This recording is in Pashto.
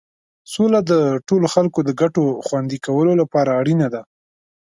سوله د ټولو خلکو د ګټو خوندي کولو لپاره اړینه ده.